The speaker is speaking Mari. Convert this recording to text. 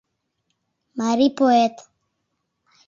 МАРИЙ ПОЭТ